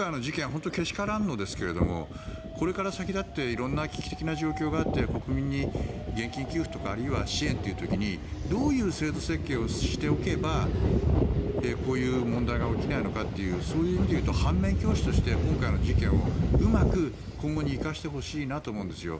本当にけしからんのですけれどもこれから先だって色々な危機的な状況があって国民に現金給付とかあるいは支援という時にどういう制度設計をしておけばこういう問題が起きないのかっていうそういう意味でいうと反面教師として今回の事件をうまく今後に生かしてほしいなと思うんですよ。